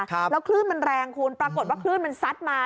แล้วคลื่นมันแรงคุณปรากฏว่าคลื่นมันซัดมา